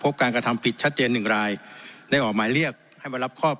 การกระทำผิดชัดเจนหนึ่งรายได้ออกหมายเรียกให้มารับครอบ